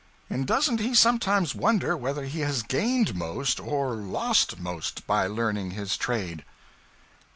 And doesn't he sometimes wonder whether he has gained most or lost most by learning his trade?